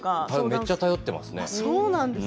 めっちゃ頼ってますね。